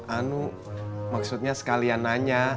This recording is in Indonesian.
anu maksudnya sekalian nanya